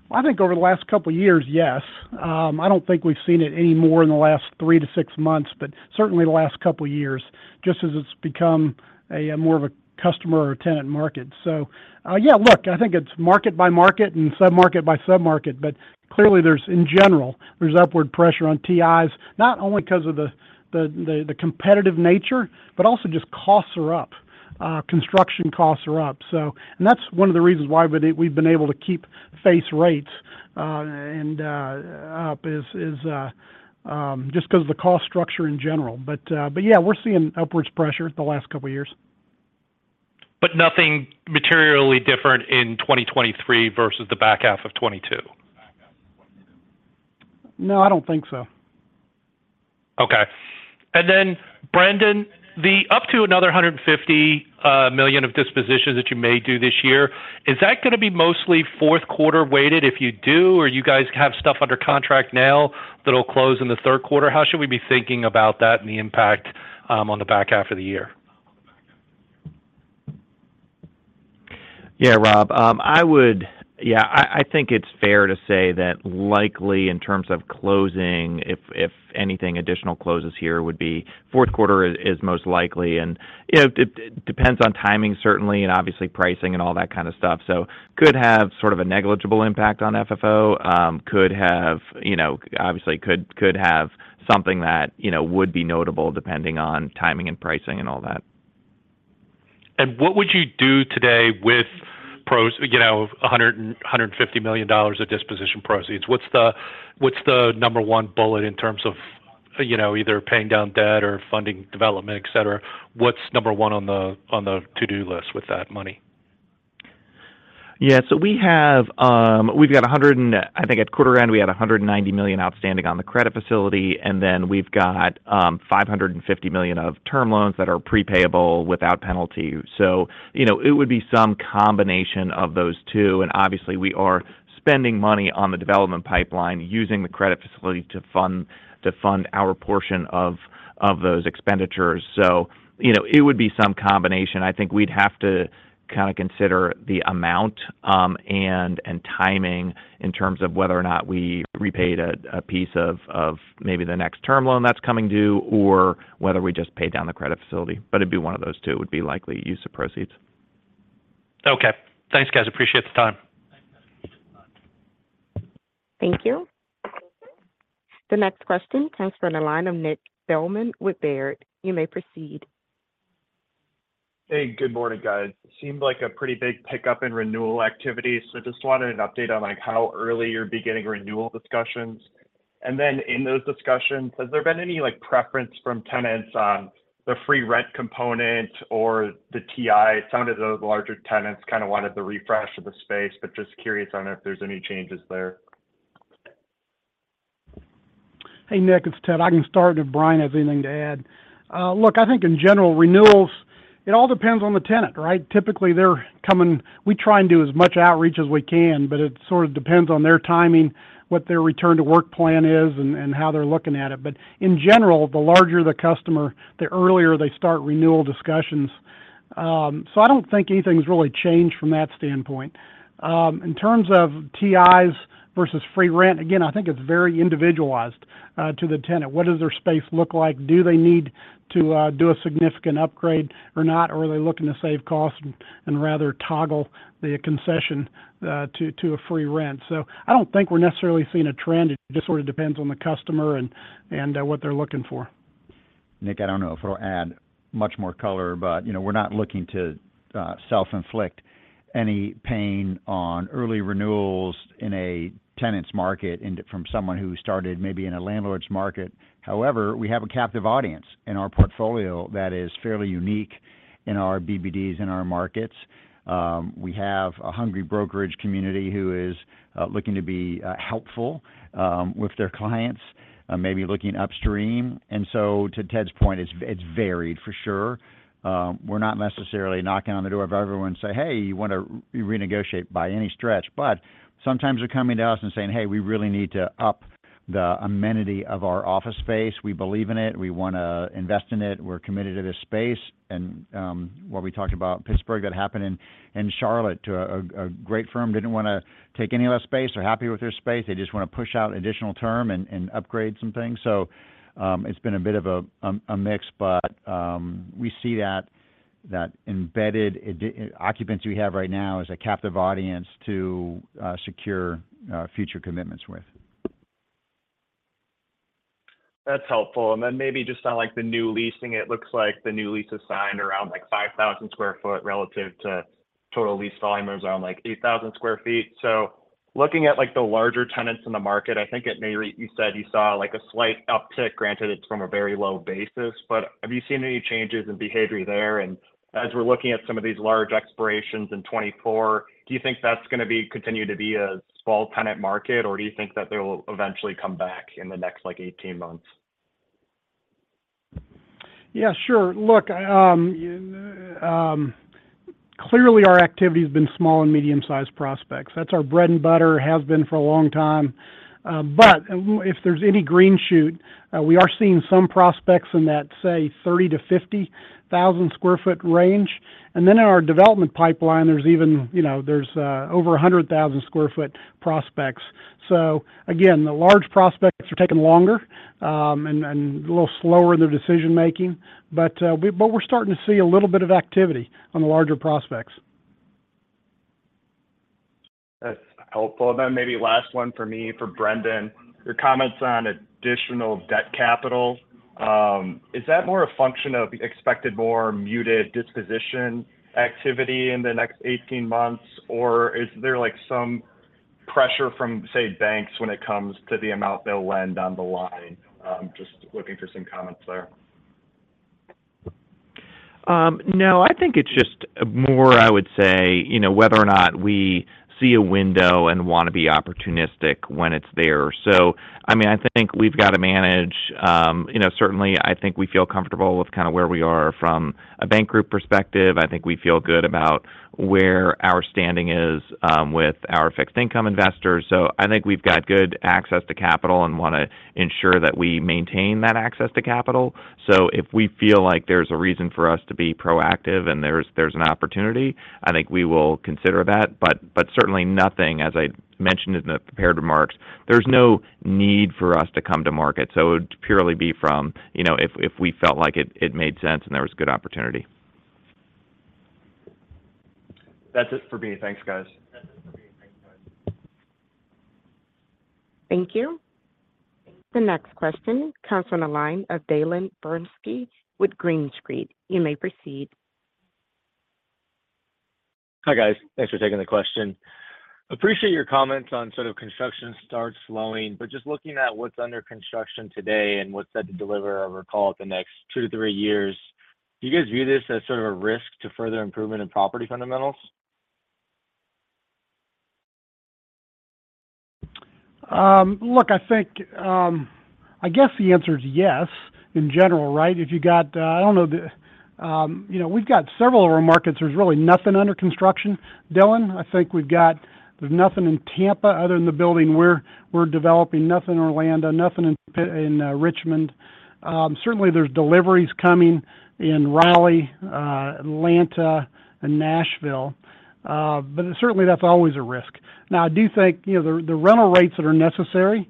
I think over the last couple of years, yes. I don't think we've seen it any more in the last 3-6 months, but certainly the last couple of years, just as it's become a more of a customer or tenant market. Yeah, look, I think it's market by market and submarket by submarket, but clearly there's, in general, there's upward pressure on TIs, not only 'cause of the competitive nature, but also just costs are up. Construction costs are up, so. That's one of the reasons why we've been able to keep face rates, and up, is just because of the cost structure in general. But yeah, we're seeing upwards pressure the last couple of years. Nothing materially different in 2023 versus the back half of 2022? No, I don't think so. Okay. Brendan, the up to another $150 million of dispositions that you may do this year, is that gonna be mostly fourth quarter weighted if you do, or you guys have stuff under contract now that'll close in the third quarter? How should we be thinking about that and the impact on the back half of the year? Yeah, Rob, I think it's fair to say that likely in terms of closing, if anything additional closes here would be fourth quarter is most likely, and, you know, it depends on timing certainly, and obviously pricing and all that kind of stuff. Could have sort of a negligible impact on FFO. Could have, you know, obviously could have something that, you know, would be notable depending on timing and pricing and all that. What would you do today with pros, you know, $150 million of disposition proceeds? What's the number one bullet in terms of, you know, either paying down debt or funding development, et cetera? What's number one on the to-do list with that money? Yeah, we have, we've got I think at quarter end, we had $190 million outstanding on the credit facility, then we've got $550 million of term loans that are prepayable without penalty. You know, it would be some combination of those two. Obviously, we are spending money on the development pipeline, using the credit facility to fund our portion of those expenditures. You know, it would be some combination. I think we'd have to kind of consider the amount and timing in terms of whether or not we repaid a piece of maybe the next term loan that's coming due, or whether we just paid down the credit facility. It'd be one of those two, it would be likely use of proceeds. Okay. Thanks, guys, appreciate the time. Thank you. The next question comes from the line of Nick Thillmann with Baird. You may proceed. Hey, good morning, guys. Seemed like a pretty big pickup in renewal activities. Just wanted an update on, like, how early you're beginning renewal discussions. In those discussions, has there been any, like, preference from tenants on the free rent component or the TI? Some of those larger tenants kind of wanted the refresh of the space. Just curious on if there's any changes there. Hey, Nick, it's Ted. I can start if Brian has anything to add. Look, I think in general, renewals, it all depends on the tenant, right? Typically, we try and do as much outreach as we can, but it sort of depends on their timing, what their return to work plan is, and how they're looking at it. In general, the larger the customer, the earlier they start renewal discussions. I don't think anything's really changed from that standpoint. In terms of TIs versus free rent, again, I think it's very individualized to the tenant. What does their space look like? Do they need to do a significant upgrade or not? Are they looking to save cost and rather toggle the concession to a free rent? I don't think we're necessarily seeing a trend. It just sort of depends on the customer and what they're looking for. Nick, I don't know if it'll add much more color, but, you know, we're not looking to self-inflict any pain on early renewals in a tenant's market, and from someone who started maybe in a landlord's market. However, we have a captive audience in our portfolio that is fairly unique in our BBDs, in our markets. We have a hungry brokerage community who is looking to be helpful with their clients, maybe looking upstream. To Ted's point, it's varied for sure. We're not necessarily knocking on the door of everyone and say, "Hey, you want to renegotiate by any stretch?" Sometimes they're coming to us and saying, "Hey, we really need to up the amenity of our office space. We believe in it. We wanna invest in it. We're committed to this space. What we talked about, Pittsburgh, that happened in Charlotte, to a great firm, didn't wanna take any less space. They're happy with their space. They just wanna push out additional term and upgrade some things. It's been a bit of a mix, but we see that embedded occupants we have right now is a captive audience to secure future commitments with. That's helpful. Maybe just on, like, the new leasing, it looks like the new leases signed around, like, 5,000 sq ft relative to total lease volume is around, like, 8,000 sq ft. Looking at, like, the larger tenants in the market, I think you said you saw, like, a slight uptick, granted, it's from a very low basis, but have you seen any changes in behavior there? As we're looking at some of these large expirations in 2024, do you think that's continue to be a small tenant market, or do you think that they will eventually come back in the next, like, 18 months? Yeah, sure. Look, clearly our activity has been small and medium-sized prospects. That's our bread and butter, has been for a long time. If there's any green shoot, we are seeing some prospects in that, say, 30,000-50,000 sq ft range. In our development pipeline, there's even, you know, there's over 100,000 sq ft prospects. Again, the large prospects are taking longer, and a little slower in their decision-making, but we're starting to see a little bit of activity on the larger prospects. That's helpful. Then maybe last one for me, for Brendan. Your comments on additional debt capital, is that more a function of expected more muted disposition activity in the next 18 months, or is there, like, some pressure from, say, banks when it comes to the amount they'll lend on the line? Just looking for some comments there. No, I think it's just more, I would say, you know, whether or not we see a window and wanna be opportunistic when it's there. I mean, I think we've got to manage, you know, certainly, I think we feel comfortable with kind of where we are from a bank group perspective. I think we feel good about where our standing is, with our fixed income investors. I think we've got good access to capital and wanna ensure that we maintain that access to capital. If we feel like there's a reason for us to be proactive and there's an opportunity, I think we will consider that. Certainly nothing, as I mentioned in the prepared remarks, there's no need for us to come to market, so it would purely be from, you know, if we felt like it made sense and there was good opportunity. That's it for me. Thanks, guys. Thank you. The next question comes from the line of Dylan Burzinski with Green Street. You may proceed. Hi, guys. Thanks for taking the question. Appreciate your comments on sort of construction start slowing, just looking at what's under construction today and what's set to deliver over, call it, the next two to three years, do you guys view this as sort of a risk to further improvement in property fundamentals? Look, I think, I guess the answer is yes, in general, right? If you got, I don't know, the, you know, we've got several of our markets, there's really nothing under construction, Dylan. I think there's nothing in Tampa other than the building we're developing. Nothing in Orlando, nothing in Richmond. Certainly there's deliveries coming in Raleigh, Atlanta, and Nashville, but certainly that's always a risk. Now, I do think, you know, the rental rates that are necessary,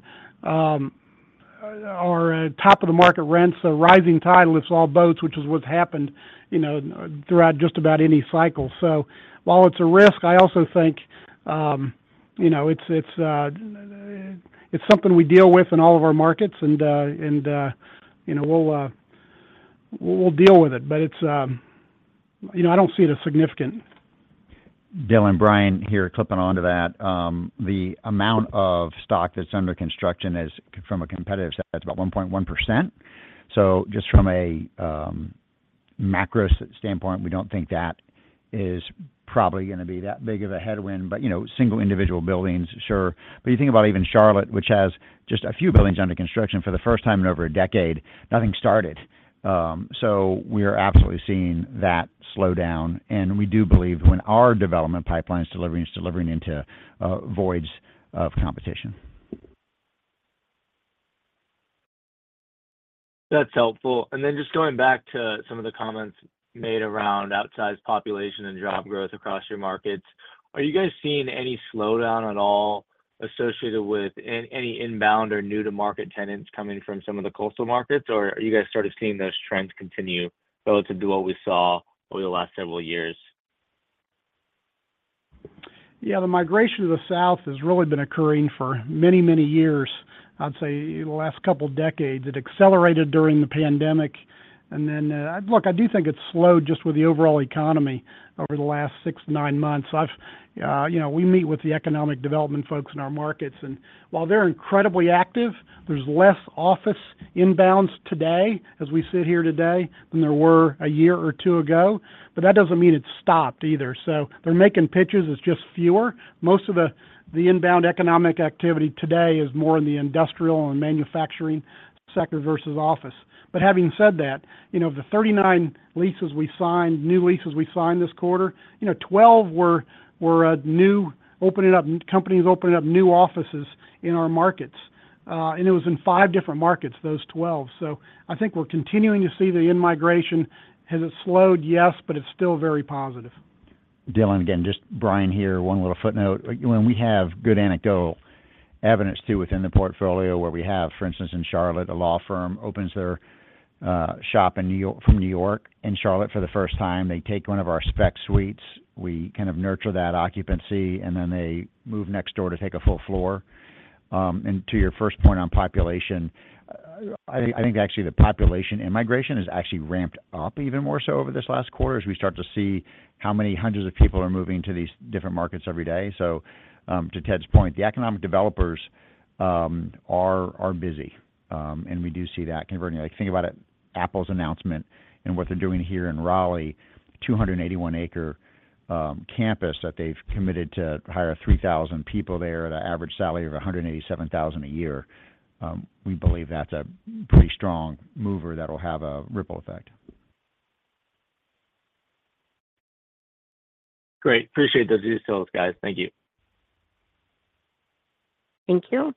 are top-of-the-market rents. Rising tide lifts all boats, which is what's happened, you know, throughout just about any cycle. While it's a risk, I also think, you know, it's something we deal with in all of our markets and, you know, we'll deal with it, but it's, you know, I don't see it as significant. Dylan, Brian here, clipping onto that. The amount of stock that's under construction is, from a competitive stance, about 1.1%. Just from a macro standpoint, we don't think that is probably gonna be that big of a headwind. You know, single individual buildings, sure. You think about even Charlotte, which has just a few buildings under construction for the first time in over a decade, nothing started. We are absolutely seeing that slow down, and we do believe when our development pipeline is delivering, it's delivering into voids of competition. That's helpful. Just going back to some of the comments made around outsized population and job growth across your markets. Are you guys seeing any slowdown at all associated with any inbound or new-to-market tenants coming from some of the coastal markets? Are you guys sort of seeing those trends continue relative to what we saw over the last several years? The migration to the South has really been occurring for many, many years, I'd say the last couple of decades. It accelerated during the pandemic. Look, I do think it's slowed just with the overall economy over the last 6-9 months. I've, you know, we meet with the economic development folks in our markets, and while they're incredibly active, there's less office inbounds today, as we sit here today, than there were a year or 2 ago. That doesn't mean it's stopped either. They're making pitches. It's just fewer. Most of the inbound economic activity today is more in the industrial and manufacturing sector versus office. Having said that, you know, the 39 leases we signed, new leases we signed this quarter, you know, 12 were new companies opening up new offices in our markets. It was in five different markets, those 12. I think we're continuing to see the inmigration. Has it slowed? Yes, but it's still very positive. Dylan, again, just Brian here, one little footnote. When we have good anecdotal evidence, too, within the portfolio where we have, for instance, in Charlotte, a law firm opens their shop from New York in Charlotte for the first time. They take one of our spec suites, we kind of nurture that occupancy, and then they move next door to take a full floor. To your first point on population, I think actually the population immigration has actually ramped up even more so over this last quarter as we start to see how many hundreds of people are moving to these different markets every day. To Ted's point, the economic developers are busy, and we do see that converting. Like, think about it, Apple's announcement and what they're doing here in Raleigh, 281 acre campus, that they've committed to hire 3,000 people there at an average salary of $187,000 a year. We believe that's a pretty strong mover that will have a ripple effect. Great. Appreciate those details, guys. Thank you. Thank you.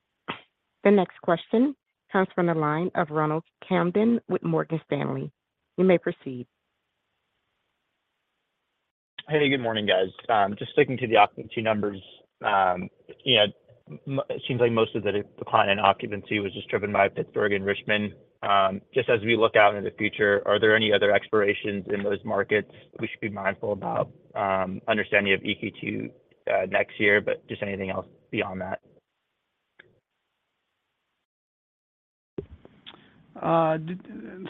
The next question comes from the line of Ronald Camden with Morgan Stanley. You may proceed. Hey, good morning, guys. Just sticking to the occupancy numbers, you know, it seems like most of the decline in occupancy was just driven by Pittsburgh and Richmond. Just as we look out into the future, are there any other expirations in those markets we should be mindful about, understanding of EQT next year, just anything else beyond that?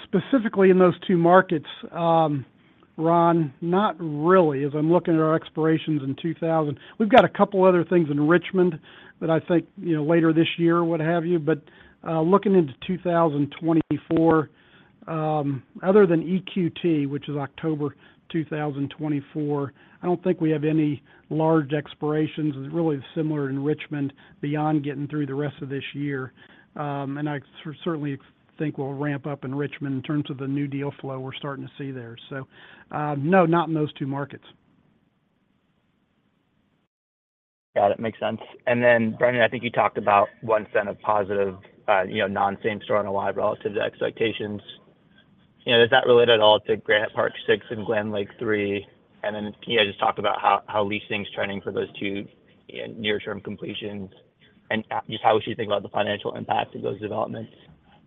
specifically in those two markets, Ron, not really, as I'm looking at our expirations in 2000... We've got a couple other things in Richmond that I think, you know, later this year, what have you. Looking into 2024, other than EQT, which is October 2024, I don't think we have any large expirations, really similar in Richmond, beyond getting through the rest of this year. I certainly think we'll ramp up in Richmond in terms of the new deal flow we're starting to see there. No, not in those two markets. Got it. Makes sense. Brendan, I think you talked about $0.01 of positive, you know, non-same-store on relative to expectations. You know, is that related at all to Granite Park Six and Glen Lake Three? Can you just talk about how leasing is trending for those two in near-term completions, and into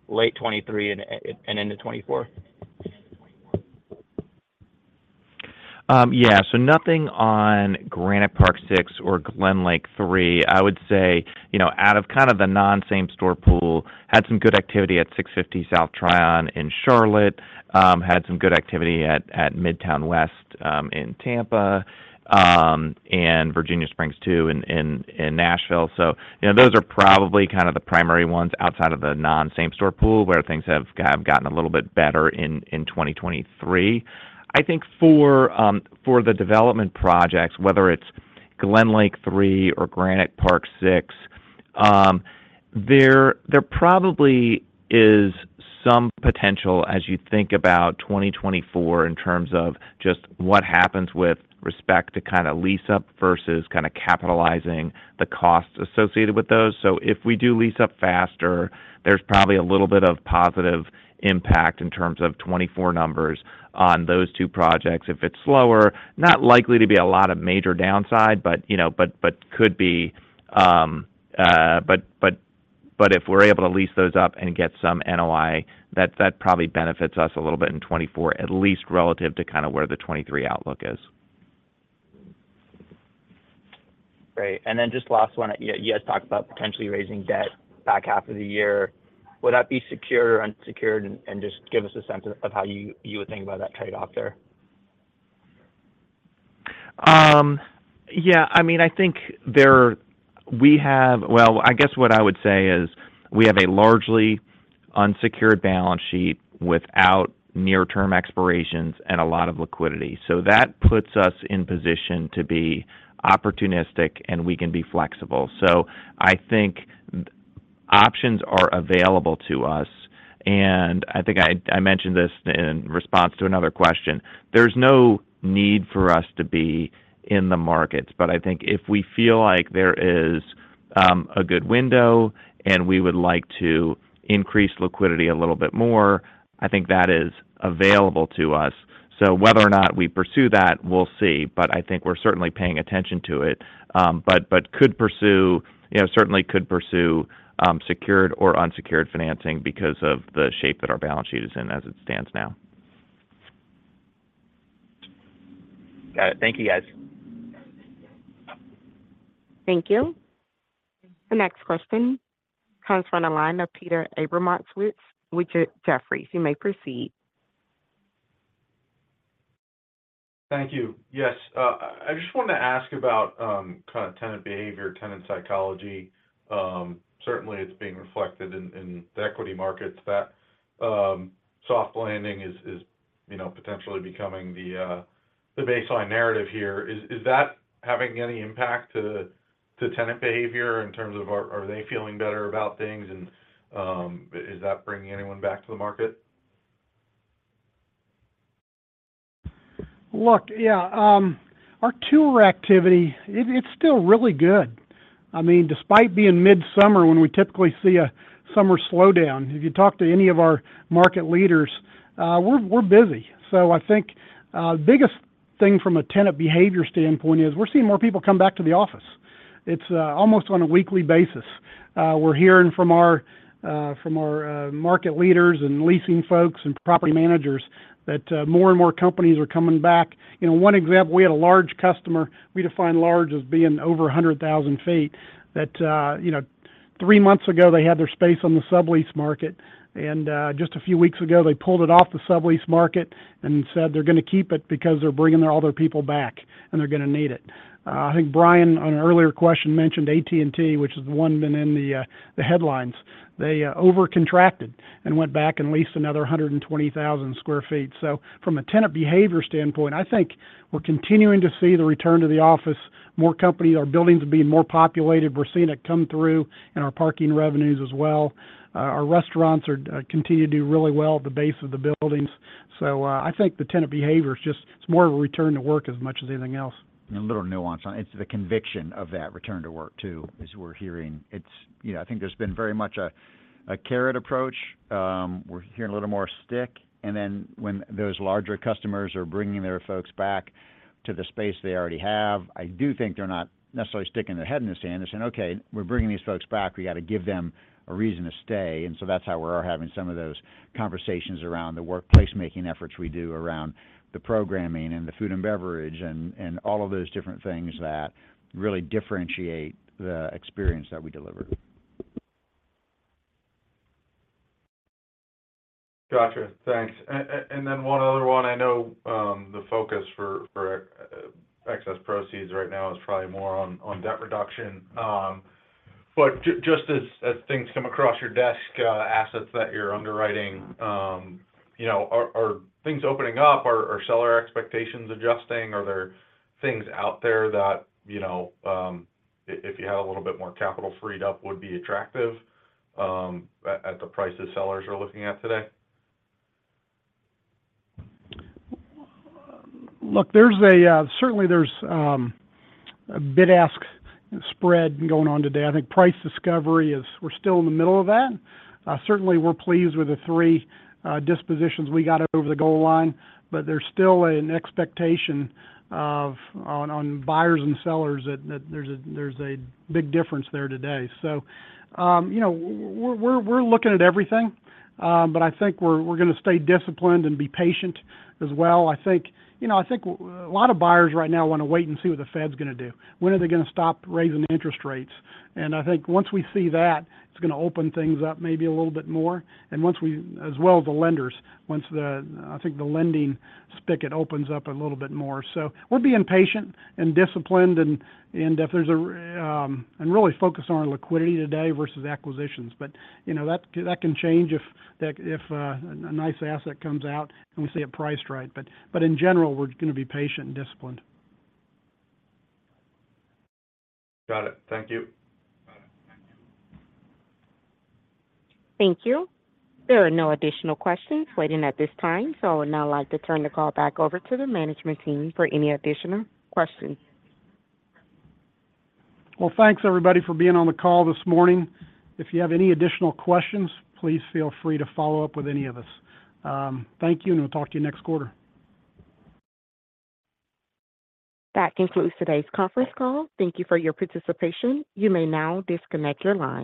2024? Yeah. Nothing on Granite Park 6 or Glen Lake 3. I would say, you know, out of kind of the non-same-store pool, had some good activity at 650 South Tryon in Charlotte, had some good activity at Midtown West in Tampa, and Virginia Springs 2 in Nashville. You know, those are probably kind of the primary ones outside of the non-same-store pool, where things have gotten a little bit better in 2023. I think for the development projects, whether it's Glen Lake 3 or Granite Park 6, there probably is some potential as you think about 2024 in terms of just what happens with respect to kinda lease-up versus kinda capitalizing the costs associated with those. If we do lease up faster, there's probably a little bit of positive impact in terms of 2024 numbers on those two projects. If it's slower, not likely to be a lot of major downside, but, you know, but could be, but if we're able to lease those up and get some NOI, that probably benefits us a little bit in 2024, at least relative to kinda where the 2023 outlook is. Great. Just last one. You guys talked about potentially raising debt back half of the year. Would that be secure or unsecured? Just give us a sense of how you would think about that trade-off there.... yeah, I mean, I think Well, I guess what I would say is we have a largely unsecured balance sheet without near-term expirations and a lot of liquidity. That puts us in position to be opportunistic, and we can be flexible. I think options are available to us, and I think I mentioned this in response to another question: there's no need for us to be in the markets. I think if we feel like there is, a good window, and we would like to increase liquidity a little bit more, I think that is available to us. Whether or not we pursue that, we'll see. I think we're certainly paying attention to it, but could pursue, you know, certainly could pursue secured or unsecured financing because of the shape that our balance sheet is in as it stands now. Got it. Thank you, guys. Thank you. The next question comes from the line of Peter Abramowitz with Jefferies. You may proceed. Thank you. Yes, I just wanted to ask about kind of tenant behavior, tenant psychology. Certainly it's being reflected in the equity markets that soft landing is, you know, potentially becoming the baseline narrative here. Is that having any impact to tenant behavior in terms of are they feeling better about things, and is that bringing anyone back to the market? Look, yeah, our tour activity, it's still really good. I mean, despite being midsummer, when we typically see a summer slowdown, if you talk to any of our market leaders, we're busy. I think, the biggest thing from a tenant behavior standpoint is we're seeing more people come back to the office. It's almost on a weekly basis. We're hearing from our, from our, market leaders and leasing folks and property managers that, more and more companies are coming back. You know, one example, we had a large customer, we define large as being over 100,000 feet, that, you know, 3 months ago, they had their space on the sublease market, and, just a few weeks ago, they pulled it off the sublease market and said they're gonna keep it because they're bringing their other people back, and they're gonna need it. I think Brian, on an earlier question, mentioned AT&T, which is the one been in the headlines. They over-contracted and went back and leased another 120,000 sq ft. From a tenant behavior standpoint, I think we're continuing to see the return to the office. More companies, our buildings are being more populated. We're seeing it come through in our parking revenues as well. Our restaurants are, continue to do really well at the base of the buildings. I think the tenant behavior it's more of a return to work as much as anything else. A little nuance on it. It's the conviction of that return to work, too, as we're hearing. It's, you know, I think there's been very much a carrot approach. We're hearing a little more stick. When those larger customers are bringing their folks back to the space they already have, I do think they're not necessarily sticking their head in the sand. They're saying, "Okay, we're bringing these folks back. We got to give them a reason to stay." That's how we are having some of those conversations around the workplace, making efforts we do around the programming and the food and beverage and all of those different things that really differentiate the experience that we deliver. Gotcha. Thanks. Then one other one. I know, the focus for excess proceeds right now is probably more on debt reduction, but just as things come across your desk, assets that you're underwriting, you know, are things opening up? Are seller expectations adjusting? Are there things out there that, you know, if you had a little bit more capital freed up, would be attractive, at the prices sellers are looking at today? Look, there's a certainly there's a bid-ask spread going on today. I think price discovery is we're still in the middle of that. Certainly we're pleased with the 3 dispositions we got over the goal line, but there's still an expectation of on buyers and sellers that there's a big difference there today. You know, we're looking at everything, but I think we're gonna stay disciplined and be patient as well. I think, you know, I think a lot of buyers right now wanna wait and see what the Fed's gonna do. When are they gonna stop raising interest rates? I think once we see that, it's gonna open things up maybe a little bit more, as well as the lenders, once the, I think, the lending spigot opens up a little bit more. We're being patient and disciplined and if there's a. Really focused on our liquidity today versus acquisitions. You know, that can change if that, if a nice asset comes out and we see it priced right. In general, we're gonna be patient and disciplined. Got it. Thank you. Thank you. There are no additional questions waiting at this time, so I would now like to turn the call back over to the management team for any additional questions. Well, thanks, everybody, for being on the call this morning. If you have any additional questions, please feel free to follow up with any of us. Thank you, we'll talk to you next quarter. That concludes today's conference call. Thank you for your participation. You may now disconnect your line.